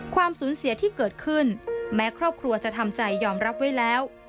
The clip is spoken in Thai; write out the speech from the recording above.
ความสูญเสียที่เกิดขึ้นแม้ครอบครัวจะทำใจยอมรับไว้แล้ว